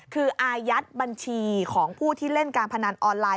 คืออายัดบัญชีของผู้ที่เล่นการพนันออนไลน